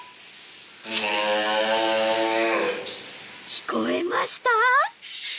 聞こえました？